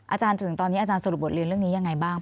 จนถึงตอนนี้อาจารย์สรุปบทเรียนเรื่องนี้ยังไงบ้าง